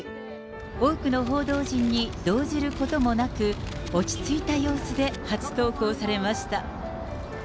多くの報道陣に動じることもなく、落ち着いた様子で初登校されました。